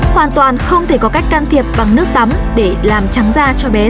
hoàn toàn không thể có cách can thiệp bằng nước tắm để làm trắng da